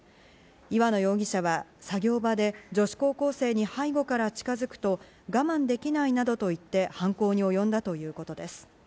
岩野容疑者は作業場で女子高校生に背後から近づくと、我慢できないなどと言って、犯行におよんだということです。